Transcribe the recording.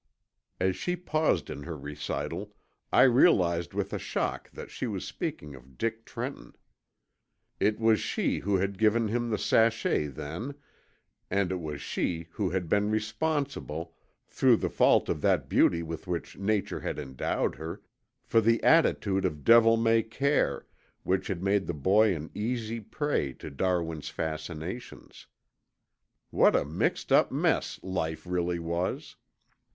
As she paused in her recital, I realized with a shock that she was speaking of Dick Trenton. It was she who had given him the sachet then, and it was she who had been responsible, through the fault of that beauty with which nature had endowed her, for the attitude of devil may care, which had made the boy an easy prey to Darwin's fascinations. What a mixed up mess life really was!